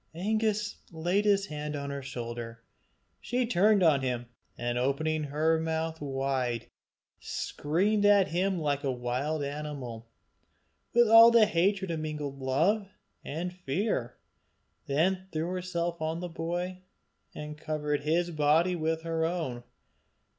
Angus laid his hand on her shoulder. She turned on him, and opening her mouth wide, screamed at him like a wild animal, with all the hatred of mingled love and fear; then threw herself on the boy, and covered his body with her own.